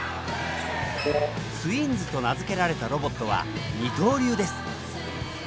「ツインズ」と名付けられたロボットは二刀流です。